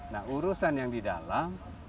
nah urusan yang di dalam